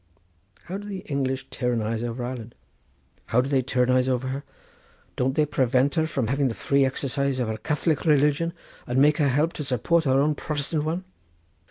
"How do the English tyrannise over Ireland?" "How do they tyrannise over her? Don't they prevent her from having the free exercise of her Catholic religion, and make her help to support their own Protestant one?"